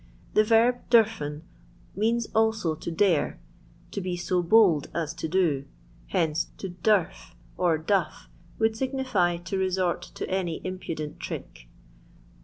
Ths verb Dntffen means also to dare, to be to bold ai to do ; hence, to Dutff, or Duf, would signify to resort to any impudent trick.